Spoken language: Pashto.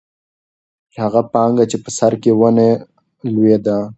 هغه پاڼه چې په سر کې وه نه لوېده.